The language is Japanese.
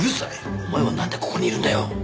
お前はなんでここにいるんだよ？